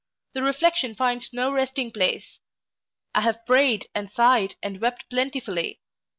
The reflection finds no resting place. I have prayed, and sighed, and wept plentifully.